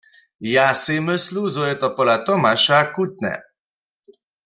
Ja sej myslu, zo je to pola Tomaša chutne.